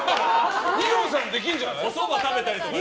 二葉さんできるんじゃない？